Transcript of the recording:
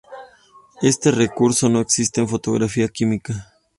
Este recurso no existe en fotografía química.